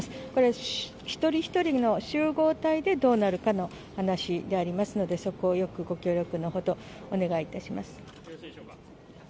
これは一人一人の集合体でどうなるかの話でありますので、そこをよくご協力のほど、お願いいたします。